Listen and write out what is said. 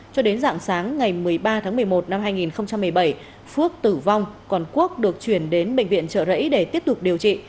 cho đến dạng sáng ngày một mươi ba tháng một mươi một năm hai nghìn một mươi bảy phước tử vong còn quốc được chuyển đến bệnh viện trợ rẫy để tiếp tục điều trị